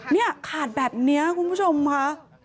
นี่ขาดแบบนี้คุณผู้ชมค่ะ